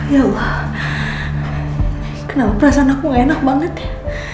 ya wah kenapa perasaan aku enak banget ya